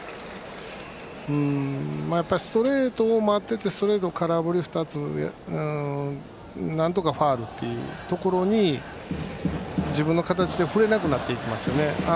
ストレートを待っていてストレートを空振り２つとなんとかファウルというところに自分の形で振れなくなっていきますよね。